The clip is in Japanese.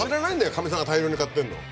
カミさんが大量に買ってるの。